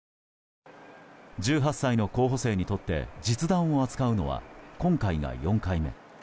１８歳の候補生にとって実弾を扱うのは今回が４回目。